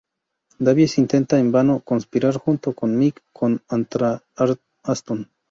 Davies intenta, en vano, conspirar junto a Mick contra Aston.